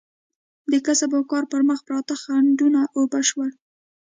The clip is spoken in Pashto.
د کسب و کار پر مخ پراته خنډونه اوبه شول.